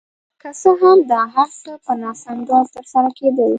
که څه هم دا هر څه په ناسم ډول ترسره کېدل.